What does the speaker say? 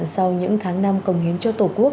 sau những tháng năm công hiến cho tổ quốc